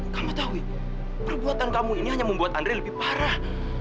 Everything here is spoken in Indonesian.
kamu tahui perbuatan kamu ini hanya membuat andre lebih parah